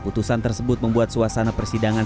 putusan tersebut membuat suasana persidangan